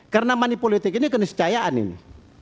karena money politics ini keniscayaan ini